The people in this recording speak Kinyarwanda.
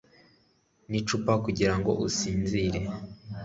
n'icupa kugirango usinzire